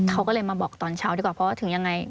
เขาก็เลยมาบอกตอนเช้าดีกว่าเพราะว่าถึงยังไง